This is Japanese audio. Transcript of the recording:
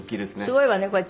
すごいわねこれ。